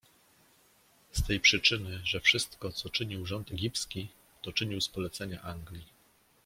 Z tej przyczyny, że wszystko, co czynił rząd egipski, to czynił z polecenia Anglii.